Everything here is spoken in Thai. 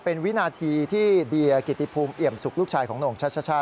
เป็นวินาทีที่เดียกิติภูมิเอี่ยมสุขลูกชายของโหน่งชัชชา